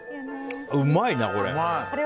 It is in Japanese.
うまいな、これ。